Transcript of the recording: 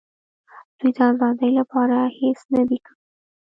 دوی د آزادۍ لپاره هېڅ نه دي کړي.